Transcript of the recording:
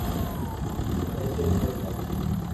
আমাদেরকে রিপোর্ট দাও।